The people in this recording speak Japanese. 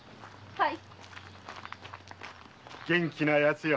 はい。